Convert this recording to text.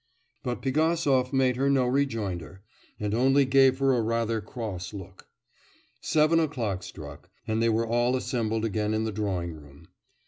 But Pigasov made her no rejoinder, and only gave her a rather cross look. Seven o'clock struck, and they were all assembled again in the drawing room.